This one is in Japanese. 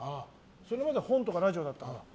それまでは本とかラジオだったから。